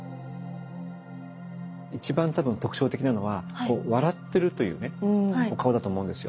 一番多分特徴的なのは笑ってるというねお顔だと思うんですよ。